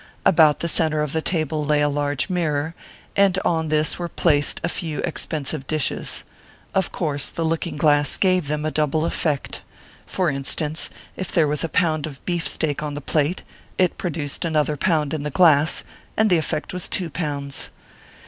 About the centre of the table lay a large mirror, and on this were placed a few expensive dishes. Of course, the looking glass gave them a double effect. For instance, if there was a pound of beefsteak on the plate, it produced another pound in the glass, and the effect was two pounds.